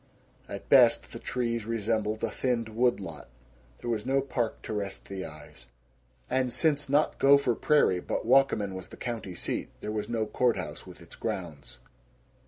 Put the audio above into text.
At best the trees resembled a thinned woodlot. There was no park to rest the eyes. And since not Gopher Prairie but Wakamin was the county seat, there was no court house with its grounds.